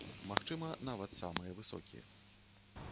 Магчыма, нават самыя высокія.